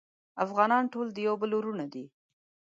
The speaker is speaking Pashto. افغانان ټول د یو بل وروڼه دی